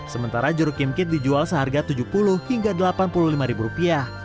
sementara jeruk kimkit dijual seharga rp tujuh puluh hingga rp delapan puluh lima